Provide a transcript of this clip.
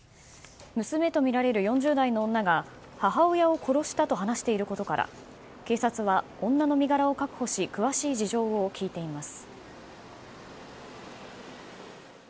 娘とみられる４０代の女が母親を殺したと話していることから警察は女の身柄を確保し詳しい事情を聴いています。